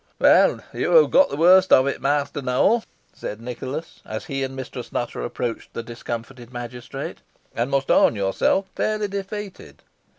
"Well, you have got the worst of it, Master Nowell," said Nicholas, as he and Mistress Nutter approached the discomfited magistrate, "and must own yourself fairly defeated."